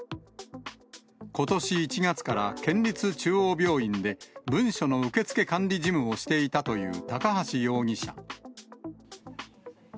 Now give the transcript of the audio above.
ことし１月から、県立中央病院で、文書の受付管理事務をしていたという高橋容疑者。